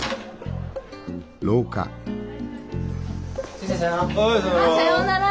先生さようなら！